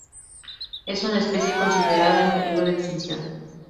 Es una especie considerada en peligro de extinción.